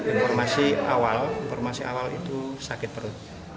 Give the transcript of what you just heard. informasi awal informasi awal itu sakit perut